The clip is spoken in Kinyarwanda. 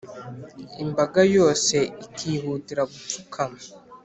imbaga yose ikihutira gupfukama,